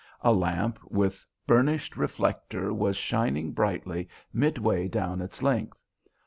A lamp with burnished reflector was burning brightly midway down its length.